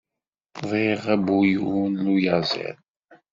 Bɣiɣ abuyun n uyaziḍ.